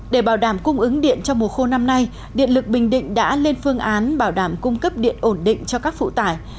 để bảo đảm cung ứng điện cho mùa khô năm nay điện lực bình định đã lên phương án bảo đảm cung cấp điện ổn định cho các phụ tải